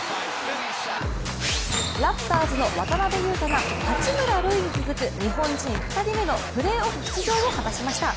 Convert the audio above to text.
ラプターズの渡邊雄太が八村塁に続く日本人２人目のプレーオフ出場を果たしました。